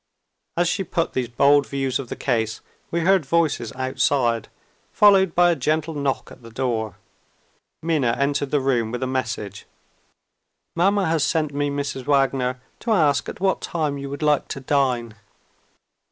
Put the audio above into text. As she put these bold views of the case, we heard voices outside, followed by a gentle knock at the door. Minna entered the room with a message. "Mamma has sent me, Mrs. Wagner, to ask at what time you would like to dine."